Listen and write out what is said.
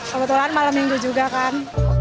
kebetulan malam minggu juga kan